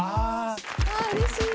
うれしーい。